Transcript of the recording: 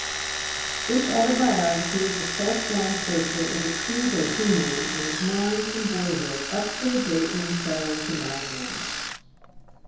This autobiography is a self drawn portrait of a true Bohemian and his mind from boyhood up to the date when he fell into my hands.